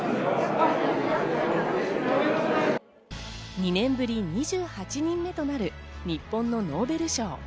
２年ぶり２８人目となる日本のノーベル賞。